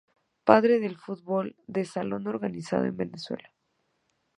Padre del fútbol de salón organizado en Venezuela.